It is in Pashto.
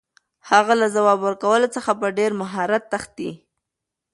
هغه له ځواب ورکولو څخه په ډېر مهارت تښتي.